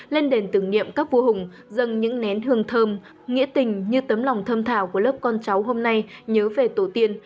lên đền tưởng niệm các vua hùng dâng những nén hương thơm nghĩa tình như tấm lòng thơm thảo của lớp con cháu hôm nay nhớ về tổ tiên